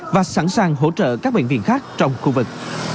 và sẵn sàng hỗ trợ các bệnh viện khác trong khu vực